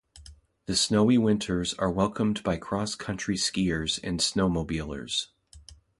The snowy winters are welcomed by cross-country skiers and snowmobilers.